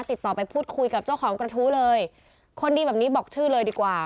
ติดต่อไปพูดคุยกับเจ้าของกระทู้เลยคนดีแบบนี้บอกชื่อเลยดีกว่า